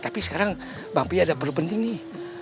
tapi sekarang bang pi'i ada perlu penting nih